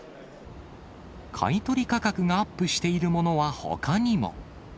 買い取り価格がアップしているものはほかにも。